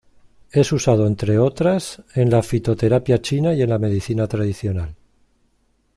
Es usado entre otras, en la fitoterapia china y en la medicina tradicional.